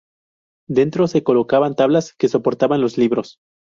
Dentro se colocaban tablas, que soportaban los libros.